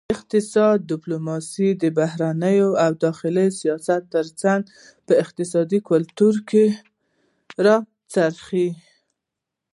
اقتصادي ډیپلوماسي د بهرني او داخلي سیاست ترڅنګ په اقتصادي ګټو راڅرخي